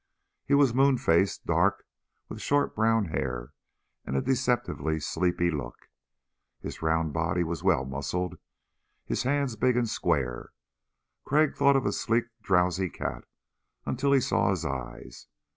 He was moon faced, dark, with short brown hair and a deceptively sleepy look. His round body was well muscled, his hands big and square. Crag thought of a sleek drowsy cat, until he saw his eyes.